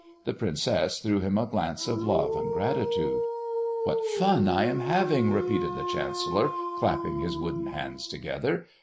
The princess threw him a glance of love and gratitude. "What fun I am having!" repeated the chancellor, clapping his wooden hands together.